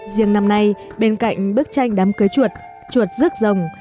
riêng năm nay bên cạnh bức tranh đám cưới chuột chuột rước rồng